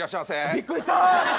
びっくりした！